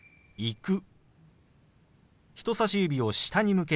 「行く」。